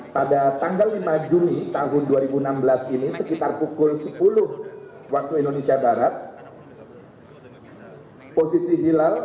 pada tanggal lima juni tahun dua ribu enam belas ini sekitar pukul sepuluh waktu indonesia barat posisi hilal